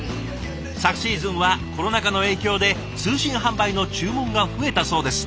昨シーズンはコロナ禍の影響で通信販売の注文が増えたそうです。